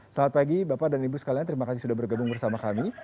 selamat pagi bapak dan ibu sekalian terima kasih sudah bergabung bersama kami